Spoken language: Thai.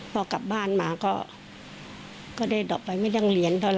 พอกลับบ้านมาก็ได้ดอกไปไม่ได้เรียน